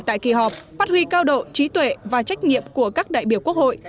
tại kỳ họp phát huy cao độ trí tuệ và trách nhiệm của các đại biểu quốc hội